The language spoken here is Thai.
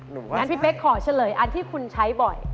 งั้นพี่เป๊กขอเฉลยอันที่คุณใช้บ่อย